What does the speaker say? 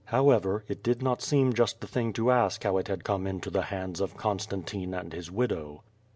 However, it did not seem just the thing to ask how it had come into the hands of Constantine and his widow.